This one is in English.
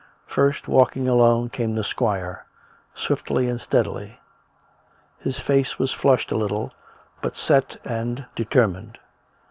First, walking alone, came the squire, swiftly and steadily. His face was flushed a little, but set and determined.